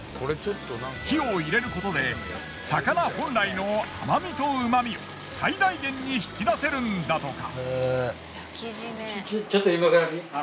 火を入れることで魚本来の甘みと旨味を最大限に引き出せるんだとか。